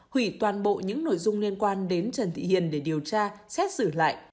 hủy toàn bộ những nội dung liên quan đến trần thị hiền để điều tra xét xử lại